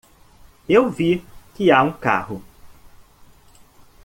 Eu vi que há um carro.